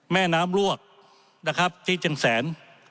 แม่น้ำลวกนะครับที่เจียงแสน